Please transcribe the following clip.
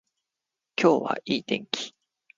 今日はいい天気